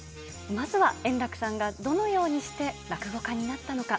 まずは円楽さんがどのようにして落語家になったのか。